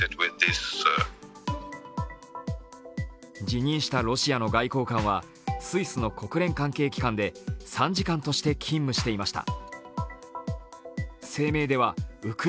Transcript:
辞任したロシアの外交官は、スイスの国連関係機関で参事官として勤務していました。